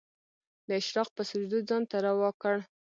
د اشراق په سجدو ځان ته روا کړ